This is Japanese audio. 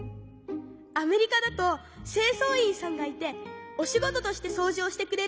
アメリカだとせいそういんさんがいておしごととしてそうじをしてくれるの。